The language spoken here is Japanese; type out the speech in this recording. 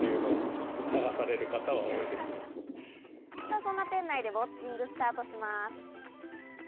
そんな店内でウオッチング、スタートします。